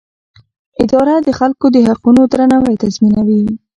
اداره د خلکو د حقونو درناوی تضمینوي.